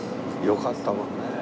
よかったもんね。